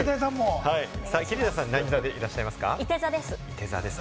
桐谷さん、何座でいらっしゃいて座です。